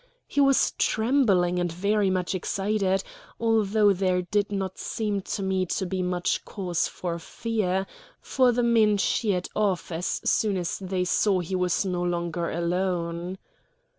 He was trembling and very much excited, although there did not seem to me to be much cause for fear; for the men sheered off as soon as they saw he was no longer alone.